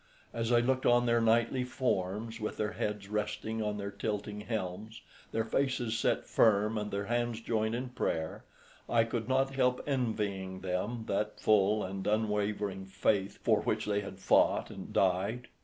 As I looked on their knightly forms, with their heads resting on their tilting helms, their faces set firm, and their hands joined in prayer, I could not help envying them that full and unwavering faith for which they had fought and died.